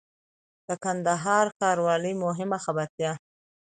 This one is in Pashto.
د کندهار ښاروالۍ مهمه خبرتيا